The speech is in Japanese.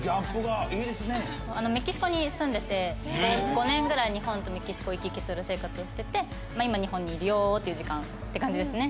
５年ぐらい日本とメキシコを行き来する生活をしてて今日本にいるよっていう時間って感じですね。